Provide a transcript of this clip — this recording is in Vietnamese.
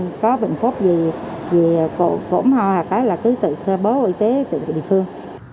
gì cổ mơ hoặc cái là cứ tự khai báo y tế tự địa phương